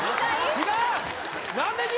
違う！